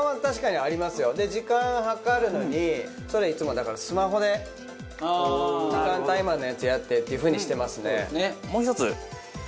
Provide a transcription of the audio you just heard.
時間計るのにそれはいつもだからスマホで時間タイマーのやつやってっていう風にしてますね。